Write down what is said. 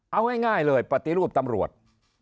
เอาง่ายเลยปฏิรูปตำรวจ